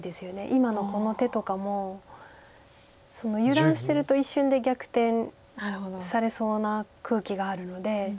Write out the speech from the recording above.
今のこの手とかも油断してると一瞬で逆転されそうな空気があるので。